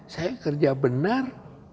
saya kerja benar